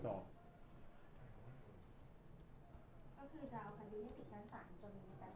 ก็คือจะเอาความดีให้ถึงชั้นสารจนแต่ถ้ามีการตัดสิน